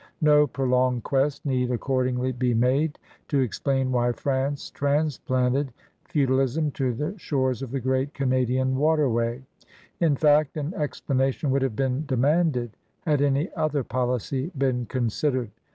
No prolonged quest need accordingly be made to explain why France transplanted feudalism to the shores of the great Canadian waterway; in fact, an explanation would have been demanded had any other policy been considered.